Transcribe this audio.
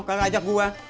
gak ajak gue